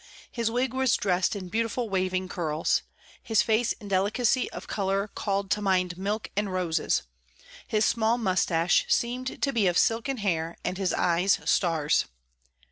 His wig was dressed in beautiful waving curls; his face in delicacy of color called to mind milk and roses; his small mustache seemed to be of silken hair, and his eyes stars.